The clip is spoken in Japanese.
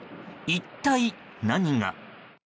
一体何が。